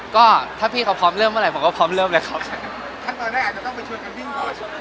ก็ถ้าพี่เขาพร้อมเริ่มเมื่อไหร่ผมก็พร้อมเริ่มเลยครับ